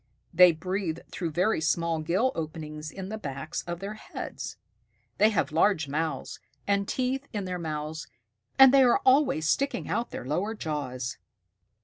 They breathe through very small gill openings in the backs of their heads. They have large mouths, and teeth in their mouths, and they are always sticking out their lower jaws."